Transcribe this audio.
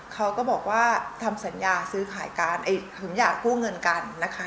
เขาก็บอกว่าทำสัญญาคู่เงินกันนะคะ